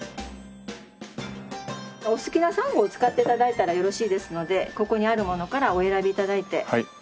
お好きなサンゴを使って頂いたらよろしいですのでここにあるものからお選び頂いて。